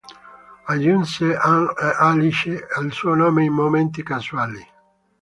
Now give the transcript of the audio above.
Aggiunse Ann e Alice al suo nome in momenti casuali.